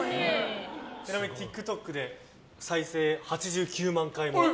ちなみにＴｉｋＴｏｋで再生８９万回。